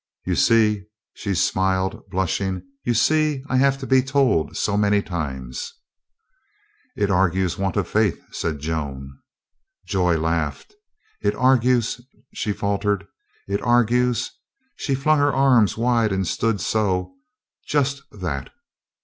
"You see," she smiled, blushing, "you see I have to be told so many times." "It argues want of faith," said Joan. Joy laughed. "It argues —" she faltered, "it ar gues— " she flung her arms wide and stood so. "Just that."